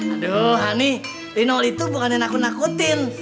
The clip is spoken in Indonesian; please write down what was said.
aduh hani lino itu bukan nakut nakutin